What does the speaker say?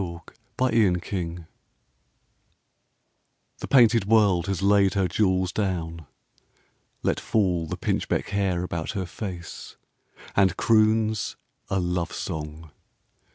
SPRING AND AUTUMN The painted World has laid her jewels down, Let fall the pinchbeck hair about her face And croons a love song.